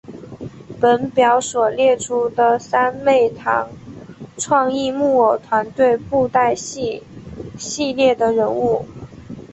本表所列出的是三昧堂创意木偶团队布袋戏系列的人物。